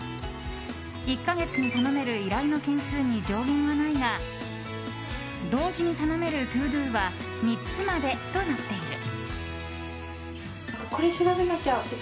１か月に頼める依頼の件数に上限はないが同時に頼めるＴｏＤｏは３つまでとなっている。